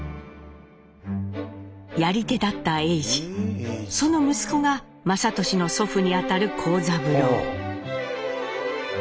やり手だった栄治その息子が雅俊の祖父にあたる幸三郎。